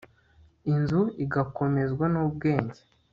inzui igakomezwa n'ubwenge